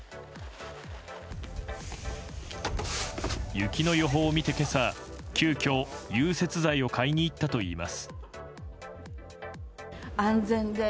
雪の予報を見て今朝、急きょ融雪剤を買いに行ったといいます。